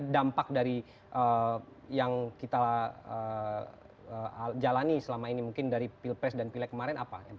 dampak dari yang kita jalani selama ini mungkin dari pilpres dan pilek kemarin apa